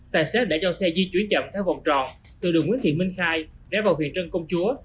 tài xế đã cho xe di chuyển chậm theo vòng tròn từ đường nguyễn thị minh khai ré vào huyện trân công chúa